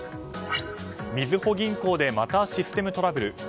みずほ銀行でまたシステムトラブル。